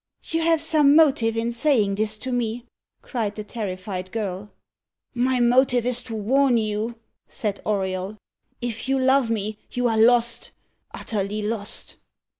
"You have some motive in saying this to me," cried the terrified girl. "My motive is to warn you," said Auriol. "If you love me, you are lost utterly lost!"